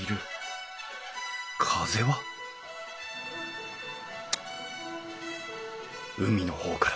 風は海の方から。